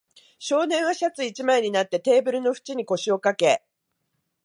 少年はシャツ一枚になって、テーブルの縁に腰をかけ、